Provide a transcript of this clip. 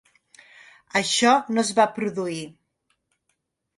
Això no es va produir.